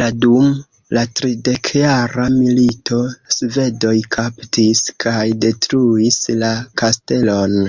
La dum la tridekjara milito, Svedoj kaptis kaj detruis la kastelon.